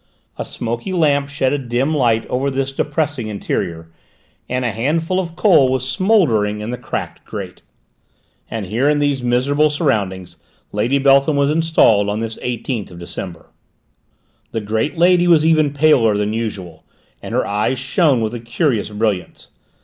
A smoky lamp shed a dim light over this depressing interior, and a handful of coal was smouldering in the cracked grate. And here, in these miserable surroundings, Lady Beltham was installed on this eighteenth of December. The great lady was even paler than usual, and her eyes shone with a curious brilliance.